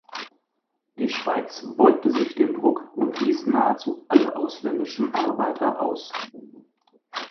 Die Schweiz beugte sich dem Druck und wies nahezu alle ausländischen Arbeiter aus.